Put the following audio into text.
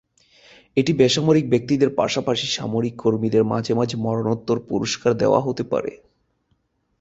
এটি বেসামরিক ব্যক্তিদের পাশাপাশি সামরিক কর্মীদের মাঝে মাঝে মরণোত্তর পুরস্কার দেওয়া হতে পারে।